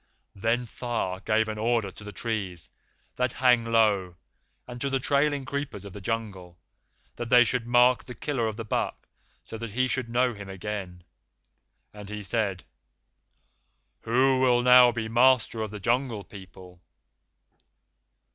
Then Tha gave an order to the trees that hang low, and to the trailing creepers of the Jungle, that they should mark the killer of the buck so that he should know him again, and he said, 'Who will now be master of the Jungle People?